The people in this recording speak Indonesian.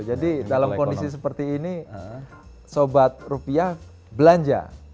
jadi dalam kondisi seperti ini sobat rupiah belanja